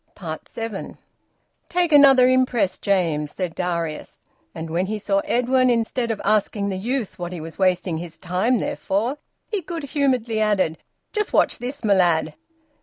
SEVEN. "Take another impress, James," said Darius. And when he saw Edwin, instead of asking the youth what he was wasting his time there for, he good humouredly added: "Just watch this, my lad."